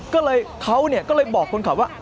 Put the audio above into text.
ก็เลยเขาก็เลยบอกคนขับว่า